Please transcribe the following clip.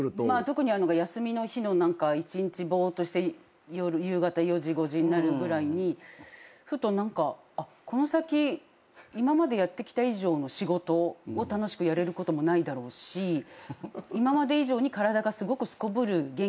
特にあるのが休みの日の１日ボーッとして夜夕方４時５時になるぐらいにふと何かこの先今までやってきた以上の仕事を楽しくやれることもないだろうし今まで以上に体がすごくすこぶる元気な日もないだろうし。